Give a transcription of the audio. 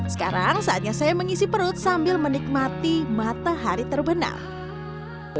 sekarang saatnya saya mengisi perut sambil menikmati matahari terbenam